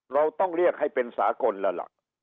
เราต้องเรียกให้เป็นสากลแล้วล่ะ